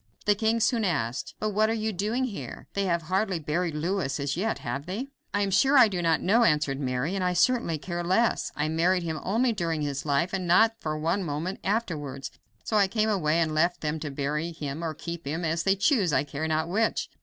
The king soon asked: "But what are you doing here? They have hardly buried Louis as yet, have they?" "I am sure I do not know," answered Mary, "and I certainly care less. I married him only during his life, and not for one moment afterwards, so I came away and left them to bury him or keep him, as they choose; I care not which."